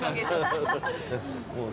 そう。